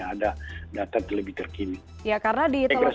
karena data terlebih terkini